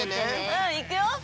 うんいくよ！